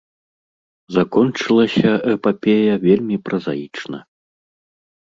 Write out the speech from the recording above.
Закончылася эпапея вельмі празаічна.